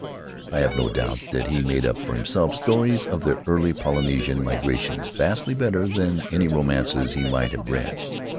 I have no doubt that he made up for himself stories of the early Polynesian migrations vastly better than any romances he might have read.